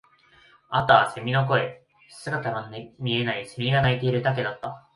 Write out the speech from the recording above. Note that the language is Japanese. あとは蝉の声、姿の見えない蝉が鳴いているだけだった